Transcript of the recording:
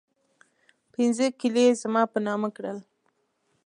پنځه کلي یې زما په نامه کړل.